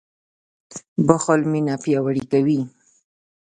• بښل مینه پیاوړې کوي.